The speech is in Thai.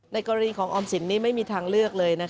กรณีของออมสินนี้ไม่มีทางเลือกเลย